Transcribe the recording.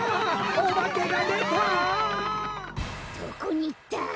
どこにいった！？